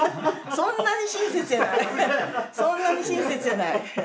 そんなに親切じゃない。